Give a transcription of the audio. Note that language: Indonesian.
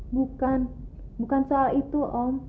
bukan bukan soal itu om